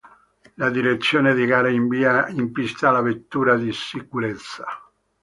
La direzione di gara invia in pista la vettura di sicurezza.